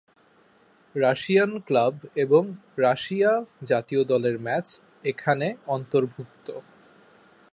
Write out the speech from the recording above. Russian club এবং Russia জাতীয় দলের ম্যাচ এখানে অন্তর্ভুক্ত।